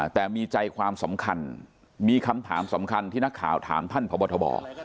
แต่มีใจความสำคัญมีคำถามสำคัญที่นักข่าวถามท่านพบทบ